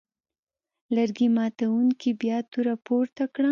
لرګي ماتوونکي بیا توره پورته کړه.